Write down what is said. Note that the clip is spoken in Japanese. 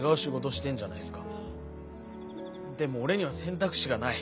でも俺には選択肢がない。